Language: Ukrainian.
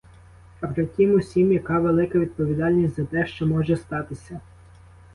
А при тім усім яка велика відповідальність за те, що може статися.